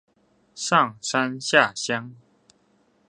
上山下鄉